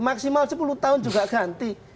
maksimal sepuluh tahun juga ganti